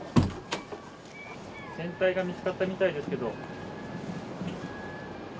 船体が見つかったみたいですけど？